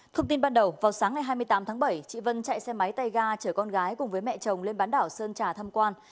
thông tin ban đầu vào sáng ngày hai mươi tám tháng bảy chị vân chạy xe máy tay ga chở con gái cùng với mẹ chồng lên bán đảo sơn trà thăm quan